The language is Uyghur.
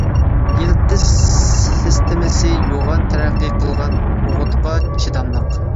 يىلتىز سىستېمىسى يوغان تەرەققىي قىلغان، ئوغۇتقا چىداملىق.